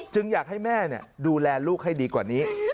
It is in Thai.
อยากให้แม่ดูแลลูกให้ดีกว่านี้